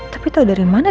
tapi tau dari mana